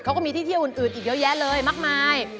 เขาก็มีที่เที่ยวอื่นอีกเยอะแยะเลยมากมาย